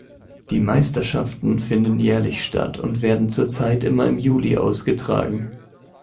Die Meisterschaften finden jährlich statt und werden zurzeit immer im Juli ausgetragen.